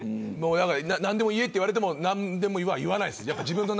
何でも言えと言われても何でも言わないです。